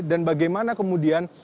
dan bagaimana kemudian